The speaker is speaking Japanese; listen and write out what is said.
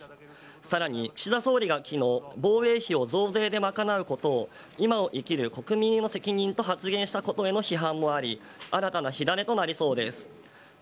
さらに岸田総理が昨日、防衛費も増税で賄うことを今を生きる国民への責任と発言したことの批判もあり新たな火種になりそうです。